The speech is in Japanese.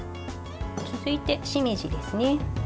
続いて、しめじですね。